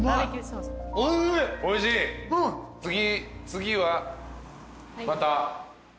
次はまた。